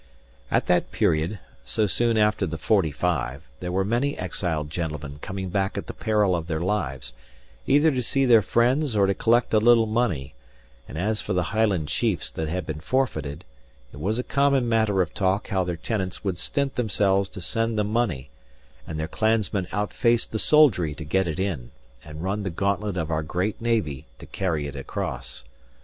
At that period (so soon after the forty five) there were many exiled gentlemen coming back at the peril of their lives, either to see their friends or to collect a little money; and as for the Highland chiefs that had been forfeited, it was a common matter of talk how their tenants would stint themselves to send them money, and their clansmen outface the soldiery to get it in, and run the gauntlet of our great navy to carry it across.